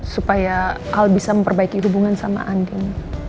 supaya al bisa memperbaiki hubungan sama andin